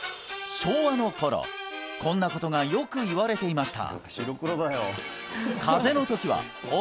昭和の頃こんなことがよく言われていました